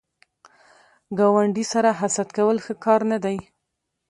ګاونډي سره حسد کول ښه کار نه دی